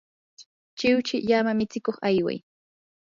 chiwchi llama mitsikuq ayway.